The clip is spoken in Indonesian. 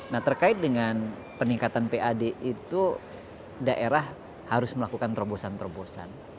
nah terkait dengan peningkatan pad itu daerah harus melakukan terobosan terobosan